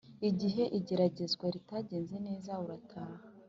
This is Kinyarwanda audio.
igihe igeragezwa ritagenze neza urataha